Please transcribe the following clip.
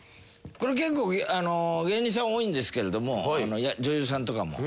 これ結構芸人さん多いんですけれども女優さんとかも。